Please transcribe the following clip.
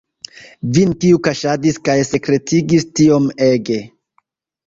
Vin, kiu kaŝadis kaj sekretigis tiom ege!